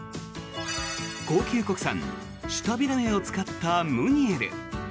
高級国産シタビラメを使ったムニエル。